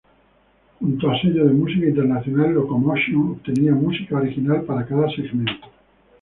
Junto a sellos de música internacional, Locomotion obtenía música original para cada segmento.